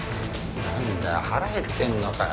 なんだよ腹減ってんのかよ。